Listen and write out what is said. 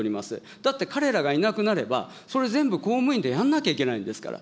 だって彼らがいなくなれば、それ、全部公務員でやんなきゃいけないんですから。